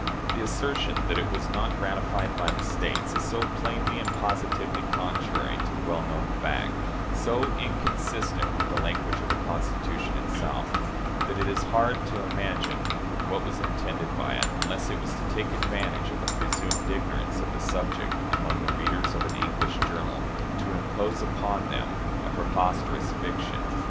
The assertion that "it was not ratified by the States" is so plainly and positively contrary, to well known fact so inconsistent with the language of the Constitution itself that it is hard to imagine what was intended by it, unless it was to take advantage of the presumed ignorance of the subject among the readers of an English journal, to impose upon them, a preposterous fiction.